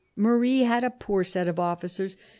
Marie had a poor set of officers.